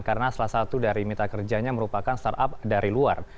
karena salah satu dari mitra kerjanya merupakan startup dari luar